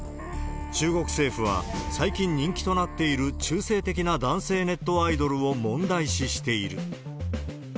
中国政府は、最近人気となっている中性的な男性ネットアイドルを問題視している。